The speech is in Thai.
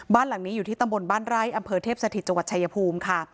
บ้านหลังนี้อยู่ที่ตำบลบ้านไร่อำเภอเทพสถิตจังหวัดชายภูมิค่ะ